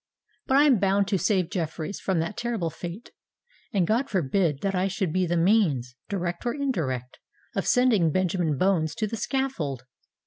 But I am bound to save Jeffreys from that terrible fate; and God forbid that that I should be the means, direct or indirect, of sending Benjamin Bones to the scaffold!